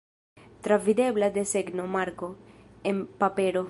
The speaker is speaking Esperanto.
Travidebla desegno, marko, en papero.